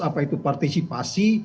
apa itu partisipasi